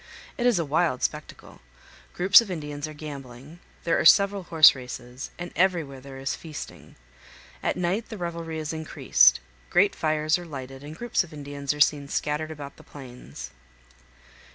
It is a wild spectacle; groups of Indians are gambling, there are several horse races, and everywhere there is feasting. At night the revelry is increased; great fires are lighted, and groups of Indians are seen scattered about the plains.